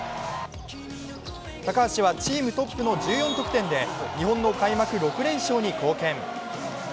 高橋はチームトップの１４得点で日本の開幕６連勝に貢献。